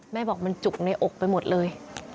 แม่บอกมันจุกในอกไปหมดเลย